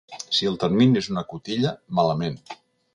Si el termini és una cotilla, malament.